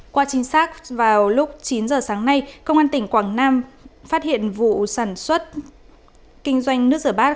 qua trinh sát vào lúc chín giờ sáng nay công an tỉnh quảng nam phát hiện vụ sản xuất kinh doanh nước rửa bát